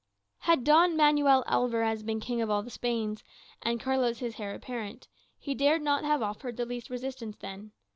Had Don Manuel Alvarez been king of all the Spains, and Carlos his heir apparent, he dared not have offered the least resistance then.